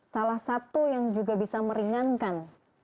salah satu yang juga bisa meringankan